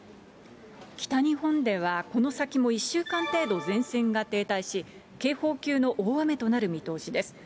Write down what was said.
北日本ではこの先も１週間程度、前線が停滞し、警報級の大雨となる見通しです。